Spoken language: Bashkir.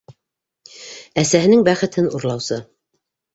Әсәһенең бәхетен урлаусы.